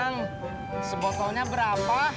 emang sebotolnya berapa